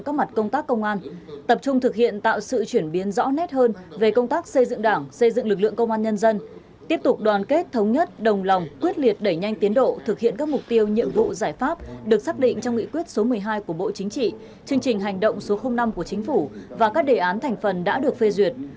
các mặt công tác công an tập trung thực hiện tạo sự chuyển biến rõ nét hơn về công tác xây dựng đảng xây dựng lực lượng công an nhân dân tiếp tục đoàn kết thống nhất đồng lòng quyết liệt đẩy nhanh tiến độ thực hiện các mục tiêu nhiệm vụ giải pháp được xác định trong nghị quyết số một mươi hai của bộ chính trị chương trình hành động số năm của chính phủ và các đề án thành phần đã được phê duyệt